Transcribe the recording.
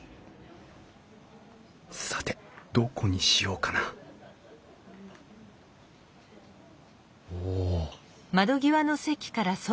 さてどこにしようかなおお。